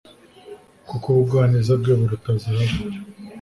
kuko ubugwaneza bwe buruta zahabu